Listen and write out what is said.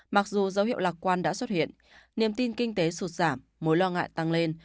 mặc dù dấu hiệu lạc quan đã xuất hiện niềm tin kinh tế sụt giảm mối lo ngại tăng lên